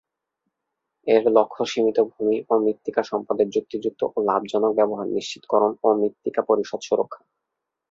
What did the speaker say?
এর লক্ষ্য সীমিত ভূমি ও মৃত্তিকা সম্পদের যুক্তিযুক্ত ও লাভজনক ব্যবহার নিশ্চিতকরণ এবং মৃত্তিকা পরিবেশ সুরক্ষা।